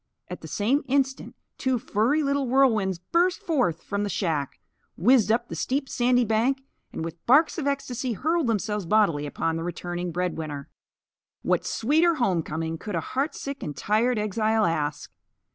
At the same instant two furry little whirlwinds burst forth from the shack, whizzed up the steep sandy bank and, with barks of ecstasy, hurled themselves bodily upon the returning bread winner. What sweeter home coming could a heartsick and tired exile ask?